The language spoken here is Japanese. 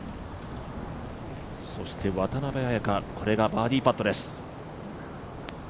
そして渡邉彩香はこれがバーディーパットです。